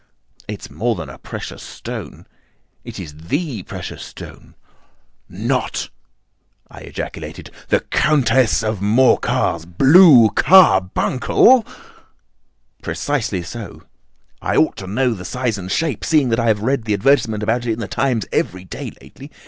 "It's more than a precious stone. It is the precious stone." "Not the Countess of Morcar's blue carbuncle!" I ejaculated. "Precisely so. I ought to know its size and shape, seeing that I have read the advertisement about it in The Times every day lately.